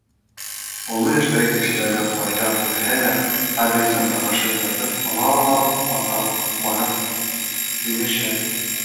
Оло йәштәге кешеләрҙе ҡайҙа күрһә лә, адресын һорашып яҙып ала ла аҙаҡ барып һөйләшә.